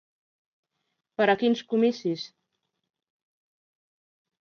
Per a quins comicis?